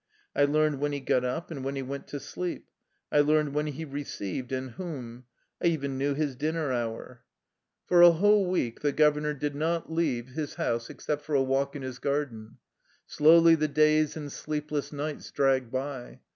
I learned when he got up and when he went to sleep. I learned when he re ceived and whom. I even knew his dinner hour. For a whole week the governor did not leave 139 THE LIFE STOKY OF A EUSSIAN EXILE Ms house except for a walk in Ms garden. Slowly the days and sleepless nights dragged by.